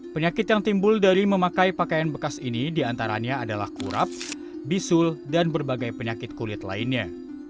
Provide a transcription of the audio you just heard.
penyakit yang timbul dari memakai pakaian bekas ini diantaranya adalah kurap bisul dan berbagai penyakit kulit lainnya